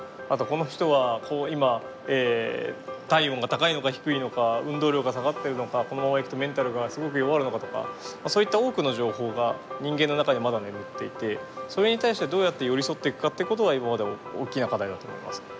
あとこの人は今体温が高いのか低いのか運動量が下がってるのかこのままいくとメンタルがすごく弱るのかとかそういった多くの情報が人間の中にまだ眠っていてそれに対してどうやって寄り添っていくかっていうことが今までも大きな課題だと思います。